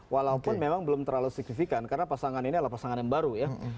walaupun memang belum terlalu signifikan karena pasangan ini adalah pasangan yang baru ya